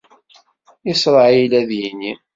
Isṛayil ad yini.